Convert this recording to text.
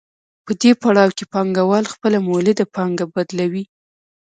په دې پړاو کې پانګوال خپله مولده پانګه بدلوي